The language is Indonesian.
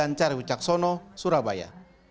ancar hujaksono surabaya